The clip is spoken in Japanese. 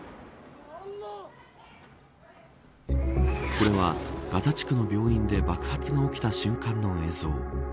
これはガザ地区の病院で爆発が起きた瞬間の映像。